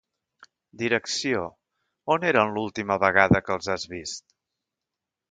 Direcció – On eren l’última vegada que els has vist?